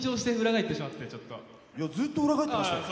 いや、ずっと裏返ってましたよ。